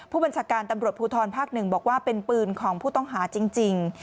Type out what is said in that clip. ผู้บัญชาการตำรวจภูทรภาค๑บอกว่าเป็นปืนของผู้ต้องหาจริง